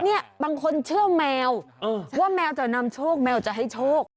เนี่ยบางคนเชื่อแมวว่าแมวจะนำโชคแมวจะให้โชค